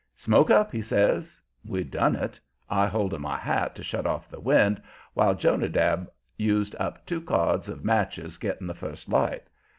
"Smoke up," he says. We done it I holding my hat to shut off the wind, while Jonadab used up two cards of matches getting the first light.